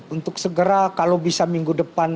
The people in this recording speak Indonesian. untuk segera kalau bisa minggu depan